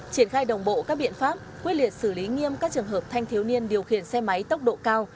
triển khai đồng bộ các biện pháp quyết liệt xử lý nghiêm các trường hợp thanh thiếu niên điều khiển xe máy tốc độ cao